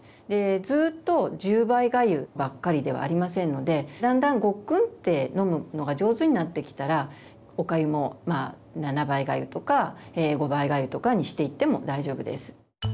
ずっと１０倍がゆばっかりではありませんのでだんだんごっくんって飲むのが上手になってきたらおかゆも７倍がゆとか５倍がゆとかにしていっても大丈夫です。